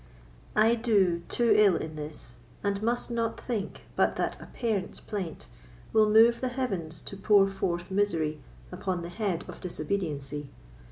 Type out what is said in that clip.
I do too ill in this, And must not think but that a parent's plaint Will move the heavens to pour forth misery Upon the head of disobediency.